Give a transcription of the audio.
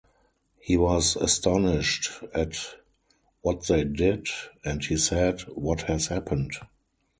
He was astonished at what they did, and he said, "What has happened?"